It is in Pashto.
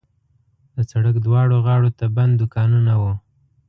د سړک دواړو غاړو ته بند دوکانونه وو.